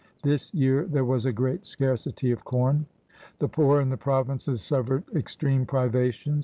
This year there was a great scarcity of corn. The poor in the provinces suffered extreme privations.